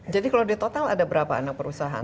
jadi kalau di total ada berapa anak perusahaan